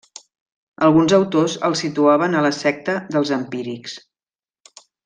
Alguns autors el situaven a la secta dels empírics.